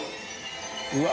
うわ。